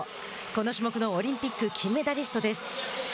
この種目のオリンピック金メダリストです。